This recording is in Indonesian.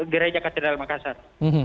gereja katedral makassar